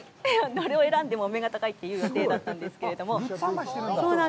どれを選んでもお目が高いと言う予定だったんですけど。